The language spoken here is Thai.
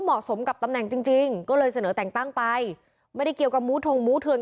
เหมาะสมกับตำแหน่งจริงจริงก็เลยเสนอแต่งตั้งไปไม่ได้เกี่ยวกับมู้ทงมู้เทือง